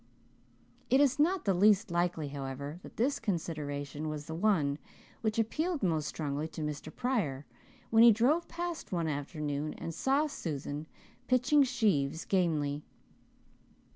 It is not the least likely, however, that this consideration was the one which appealed most strongly to Mr. Pryor when he drove past one afternoon and saw Susan pitching sheaves gamely.